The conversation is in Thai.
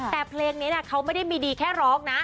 แต่เพลงนี้เขาไม่ได้มีดีแค่ร้องนะ